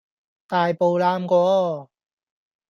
大步揇過!